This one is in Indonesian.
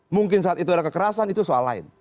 mungkin saat itu ada kekerasan itu soal lain